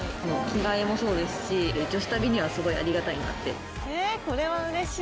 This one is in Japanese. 着替えもそうですし女子旅にはすごいありがたいなって。